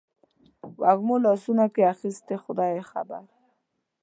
وږمو لاسونو کې اخیستي خدای خبر